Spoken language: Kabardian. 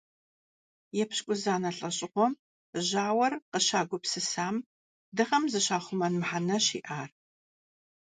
Епщыкӏузанэ лӏэщӏыгъуэм жьауэр къыщагупсысам дыгъэм зыщахъумэн мыхьэнэщ иӏар.